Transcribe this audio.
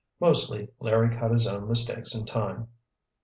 Mostly, Larry caught his own mistakes in time.